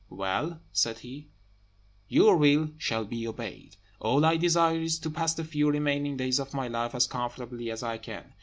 "Well," said he, "your will shall be obeyed. All I desire is to pass the few remaining days of my life as comfortably as I can.